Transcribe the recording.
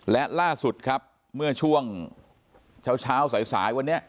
และล่าสุดครับเมื่อช่วงเช้าสายวันนี้